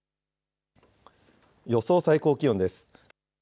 予想最高気温です。